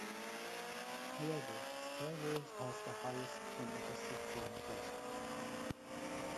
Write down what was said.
However, "Star Wars" has the highest when adjusted for inflation.